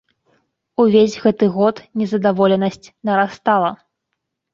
Увесь гэты год незадаволенасць нарастала.